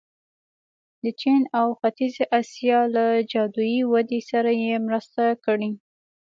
د چین او ختیځې اسیا له جادويي ودې سره یې مرسته کړې.